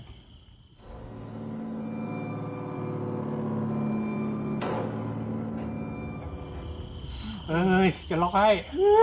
ที่สุดท้าย